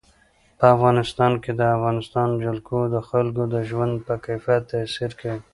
په افغانستان کې د افغانستان جلکو د خلکو د ژوند په کیفیت تاثیر کوي.